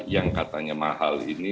yang katanya mahal ini